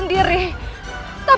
ini terlihat keren